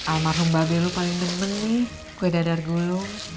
almarhum babel lo paling bener bener nih kue dadar dulu